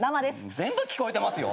全部聞こえてますよ。